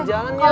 jangan ya sampe